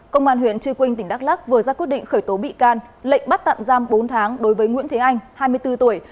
công an huyện trư quynh tỉnh đắk lắc vừa ra quyết định khởi tố bị can lệnh bắt tạm giam bốn tháng đối với nguyễn thế anh hai mươi bốn tuổi